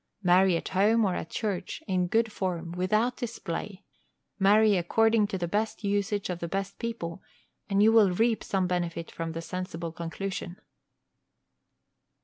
Marry at home or at church, in good form, without display; marry according to the best usage of the best people, and you will reap some benefit from the sensible conclusion.